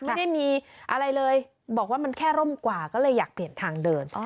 ไม่ได้มีอะไรเลยบอกว่ามันแค่ร่มกว่าก็เลยอยากเปลี่ยนทางเดิน